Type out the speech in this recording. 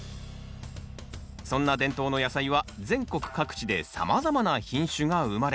そんな伝統の野菜は全国各地でさまざまな品種が生まれ